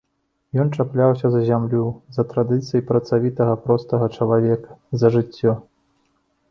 Ён чапляўся за зямлю, за традыцыі працавітага простага чалавека, за жыццё.